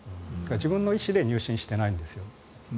自分の意思で入信してないんですよね。